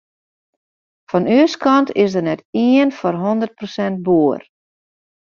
Fan ús kant is der net ien foar hûndert persint boer.